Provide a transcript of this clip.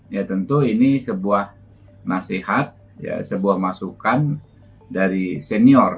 ya tentu ini sebuah nasihat sebuah masukan dari senior